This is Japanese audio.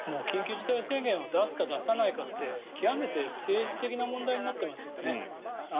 緊急事態宣言を出すか、出さないかって極めて政治的な問題になってますよね。